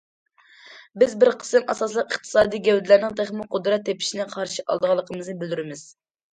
بىز بىر قىسىم ئاساسلىق ئىقتىسادىي گەۋدىلەرنىڭ تېخىمۇ قۇدرەت تېپىشىنى قارشى ئالىدىغانلىقىمىزنى بىلدۈرىمىز.